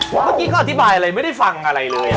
เมื่อกี้ก็อธิบายอะไรไม่ได้ฟังอะไรเลย